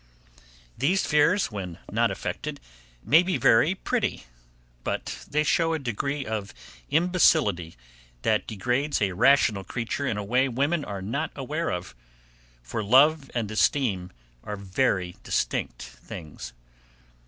These fears, when not affected, may be very pretty; but they shew a degree of imbecility, that degrades a rational creature in a way women are not aware of for love and esteem are very distinct things.